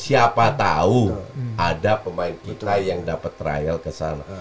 siapa tahu ada pemain kita yang dapat trial kesana